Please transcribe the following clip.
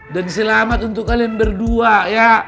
dan selamat untuk kalian berdua ya